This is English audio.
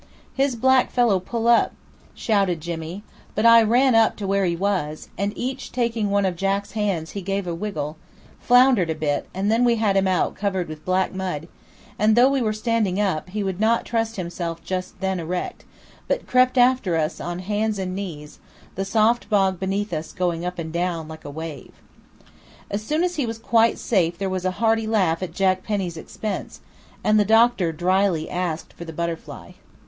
"His black fellow pull up," shouted Jimmy; but I ran up to where he was, and each taking one of Jack's hands he gave a wriggle, floundered a bit, and then we had him out covered with black mud; and though we were standing up, he would not trust himself just then erect, but crept after us on hands and knees, the soft bog beneath us going up and down like a wave. As soon as he was quite safe there was a hearty laugh at Jack Penny's expense; and the doctor drily asked for the butterfly.